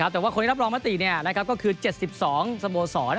แต่ว่าคนที่รับรองประติเนี่ยนะครับก็คือ๗๒สโมสร